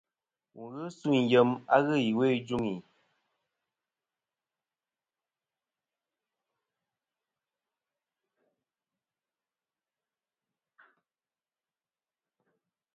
Wù ghɨ suyn yem a ghɨ iwo i juŋi.